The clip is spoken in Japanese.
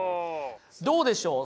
どうでしょう？